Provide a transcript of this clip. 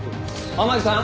天樹さん？